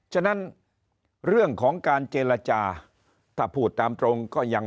ฉะนั้นเรื่องของการเจรจาถ้าพูดตามตรงก็ยัง